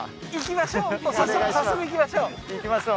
もう早速早速行きましょう！